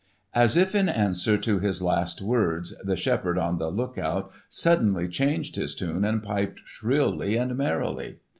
As if in answer to his last words, the shepherd on the lookout suddenly changed his tune and piped shrilly and merrily.